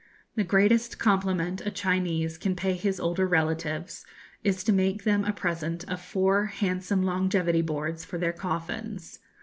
The greatest compliment a Chinese can pay his older relatives is to make them a present of four handsome longevity boards for their coffins.